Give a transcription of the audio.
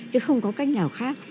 chứ không có cách nào khác